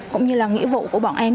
cũng như là nghĩa vụ của bọn em